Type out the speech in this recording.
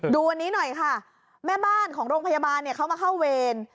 ดูอันนี้หน่อยค่ะแม่บ้านของโรงพยาบาลเขามาเข้าเวร